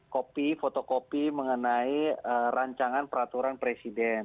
kopi fotokopi mengenai rancangan peraturan presiden